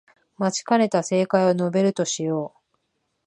待ちかねた正解を述べるとしよう